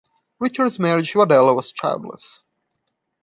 Richard's marriage to Adela was childless.